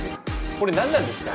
これ何なんですか？